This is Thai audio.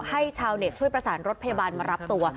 ชาวเน็ตช่วยประสานรถพยาบาลมารับตัว